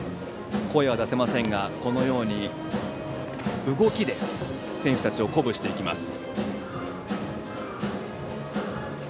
声は出せませんが、動きで選手たちを鼓舞していきます。